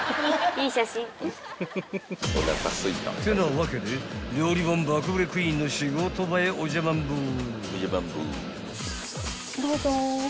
［ってなわけで料理本爆売れクイーンの仕事場へおじゃマンボウ］